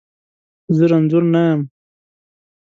زه رنځور نه یم.